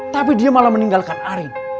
tapi dia malah meninggalkan arin